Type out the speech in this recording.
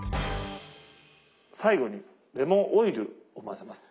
最後にレモンオイルを混ぜます。